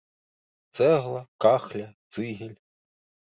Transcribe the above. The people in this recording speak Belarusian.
Цэгла, кахля, цыгель.